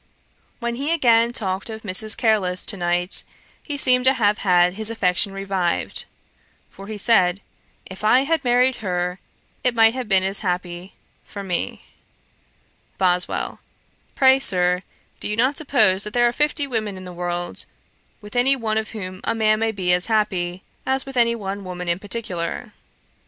When he again talked of Mrs. Careless to night, he seemed to have had his affection revived; for he said, 'If I had married her, it might have been as happy for me.' BOSWELL. 'Pray, Sir, do you not suppose that there are fifty women in the world, with any one of whom a man may be as happy, as with any one woman in particular.'